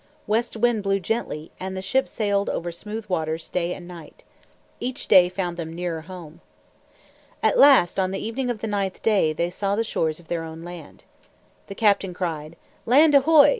West Wind blew gently, and the ship sailed over smooth waters day and night. Each day found them nearer home. At last, on the evening of the ninth day, they saw the shores of their own land. The captain cried, "Land, ahoy!